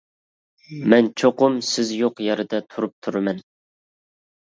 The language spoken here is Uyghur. مەن چوقۇم سىز يوق يەردە تۇرۇپ تۇرىمەن.